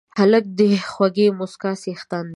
هلک د خوږې موسکا څښتن دی.